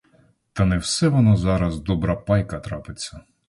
Та не все воно зараз добра пайка трапиться.